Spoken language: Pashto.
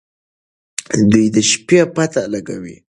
دوی د شپې پته لګولې وه.